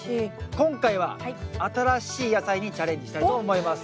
今回は新しい野菜にチャレンジしたいと思います。